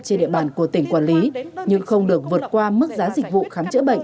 trên địa bàn của tỉnh quản lý nhưng không được vượt qua mức giá dịch vụ khám chữa bệnh